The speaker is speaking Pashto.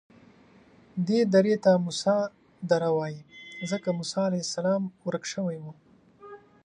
دې درې ته موسی دره وایي ځکه موسی علیه السلام ورک شوی و.